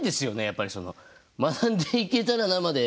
やっぱりその「学んでいけたらな」まで。